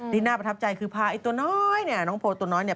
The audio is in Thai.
น่าประทับใจคือพาไอ้ตัวน้อยเนี่ยน้องโพลตัวน้อยเนี่ย